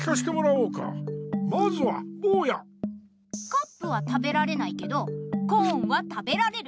カップは食べられないけどコーンは食べられる。